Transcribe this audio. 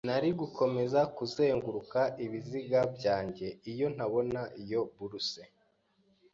Nari gukomeza kuzunguruka ibiziga byanjye iyo ntabona iyo buruse.